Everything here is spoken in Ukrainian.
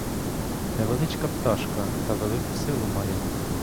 Невеличка пташка, та велику силу має!